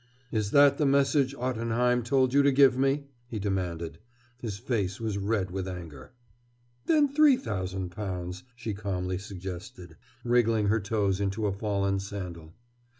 "Is that the message Ottenheim told you to give me?" he demanded. His face was red with anger. "Then three thousand pounds," she calmly suggested, wriggling her toes into a fallen sandal.